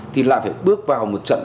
thì lại phải bước vào một trận